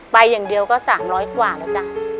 ไปอย่างเดียวก็๓๐๐กว่าแล้วจ้ะ